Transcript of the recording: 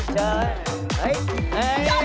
เชิญ